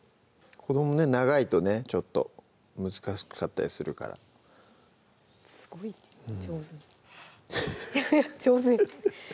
長いとねちょっと難しかったりするからすごい上手に上手です